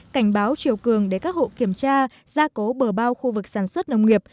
cảnh báo chiều cường để các hộ kiểm tra gia cố bờ bao khu vực sản xuất nông nghiệp